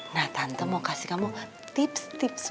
nah tante mau kasih kamu tips tips